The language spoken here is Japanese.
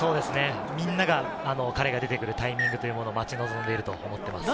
みんなが彼が出てくるタイミングを待ち望んでいると思います。